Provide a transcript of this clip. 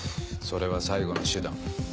それは最後の手段。